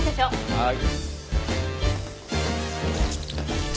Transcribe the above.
はい。